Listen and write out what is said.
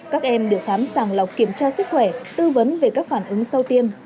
các em được khám sàng lọc kiểm tra sức khỏe tư vấn về các phản ứng sau tiêm